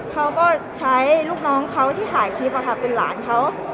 เขาก็ใช้ลูกน้องเขาที่ถ่ายคลิปเป็นหลานเขา